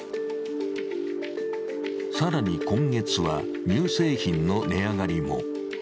更に今月は、乳製品の値上がりも。